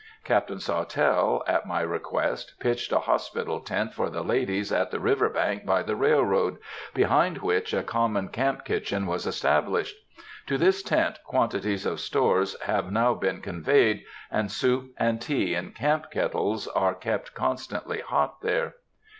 Captain Sawtelle, at my request, pitched a hospital tent for the ladies at the river bank by the railroad, behind which a common camp kitchen was established. To this tent quantities of stores have now been conveyed, and soup and tea in camp kettles are kept constantly hot there.